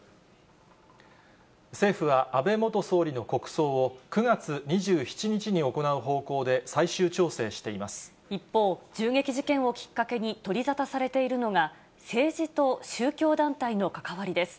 政府は安倍元総理の国葬を９月２７日に行う方向で、最終調整し一方、銃撃事件をきっかけに取り沙汰されているのが、政治と宗教団体の関わりです。